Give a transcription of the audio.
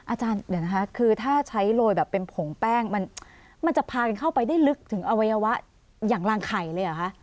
อาจารย์เดี๋ยวนะคะคือถ้าใช้โรยแบบเป็นผงแป้งมันจะพากันเข้าไปได้ลึกถึงอวัยวะอย่างรางไข่เลยเหรอคะ